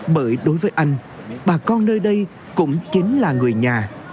bởi đối với anh bà con nơi đây cũng chính là người nhà